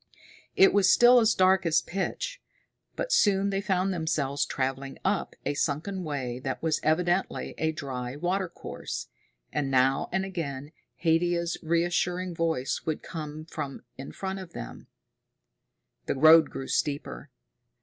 It was still as dark as pitch, but soon they found themselves traveling up a sunken way that was evidently a dry watercourse. And now and again Haidia's reassuring voice would come from in front of them. The road grew steeper.